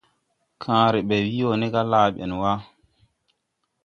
Kããre ɓɛ wii wo ne ga : Laa ben wa!